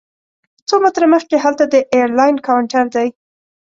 څو متره مخکې هلته د ایرلاین کاونټر دی.